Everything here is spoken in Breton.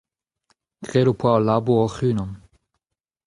Graet ho poa al labour hoc'h-unan.